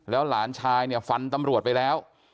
แล้วหลานชายฟันตำรวจไปแล้ว